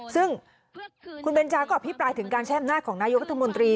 ซึ่งคุณเบนจาก็อภิปรายถึงการใช้อำนาจของนายกรัฐมนตรี